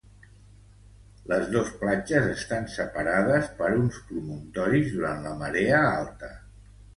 Les dos platges estan separades per uns promontoris durant la marea alta.